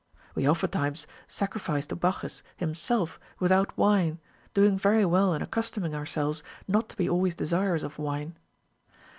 We often times sacrifice to Bacchus himself without wine, doing very well in accustoming ourselves not to be always desirous of wine.